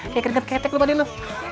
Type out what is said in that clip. kayak ketek ketek lu pada lu